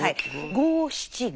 五七五。